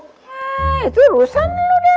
hei itu urusan lu deh